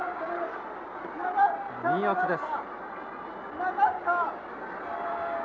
右四つです。